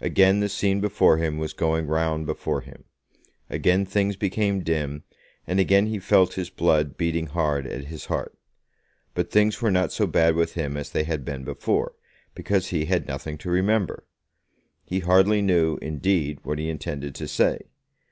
Again the scene before him was going round before him; again things became dim, and again he felt his blood beating hard at his heart. But things were not so bad with him as they had been before, because he had nothing to remember. He hardly knew, indeed, what he intended to say.